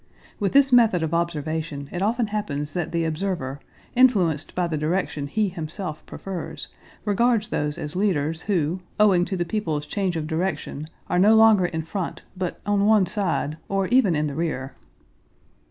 (With this method of observation it often happens that the observer, influenced by the direction he himself prefers, regards those as leaders who, owing to the people's change of direction, are no longer in front, but on one side, or even in the rear.)